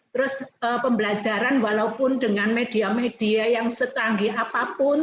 terus pembelajaran walaupun dengan media media yang secanggih apapun